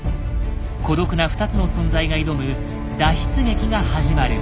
孤独な２つの存在が挑む脱出劇が始まる。